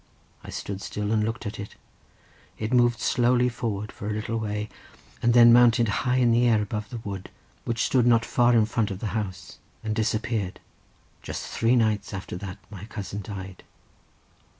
I stood still and looked at it. It moved slowly forward for a little way, and then mounted high in the air above the wood, which stood not far in front of the house, and disappeared. Just three nights after that my cousin died."